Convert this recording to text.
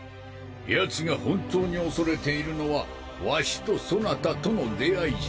ヤツが本当に恐れているのはワシとそなたとの出会いじゃ。